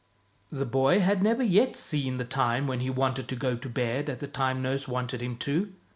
The boy had never yet seen the time when he wanted to go to bed at the time nurse wanted him to.